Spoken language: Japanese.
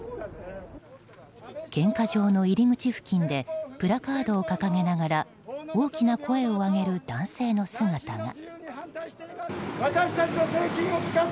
献花場の入り口付近でプラカードを掲げながら大きな声を上げる男性の姿が。